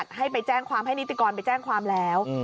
ให้ไปแจ้งความให้นิติกรไปแจ้งความแล้ว